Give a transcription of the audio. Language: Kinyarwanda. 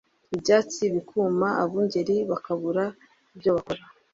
ibyatsi bikuma Abungeri bakabura ibyo bakora